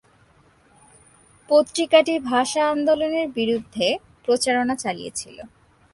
পত্রিকাটি ভাষা আন্দোলনের বিরুদ্ধে প্রচারণা চালিয়েছিল।